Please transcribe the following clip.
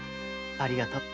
ありがとう。